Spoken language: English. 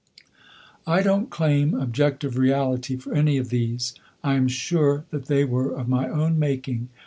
I don't claim objective reality for any of these; I am sure that they were of my own making.